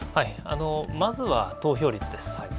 まずは投票率です。